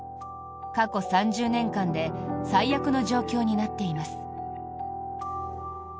過去３０年間で最悪の状況になっています。